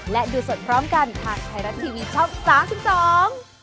และดูสดพร้อมกันทางไทยรัฐทีวีช่อง๓๒